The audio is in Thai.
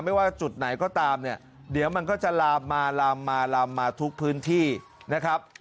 ไม่ว่าจุดไหนก็ตามเนี่ยเดี๋ยวมันก็จะลามมาลามมาลามมาทุกพื้นที่นะครับ